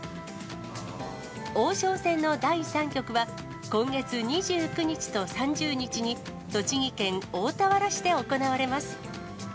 王将戦の第３局は、今月２９日と３０日に、栃木県大田原市で行われます。